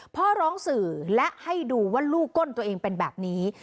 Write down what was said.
พ่อร้องสื่อและให้ดูว่าลูกก้นตัวเองเป็นแบบนี้